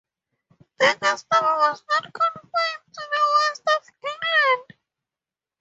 The custom was not confined to the west of England.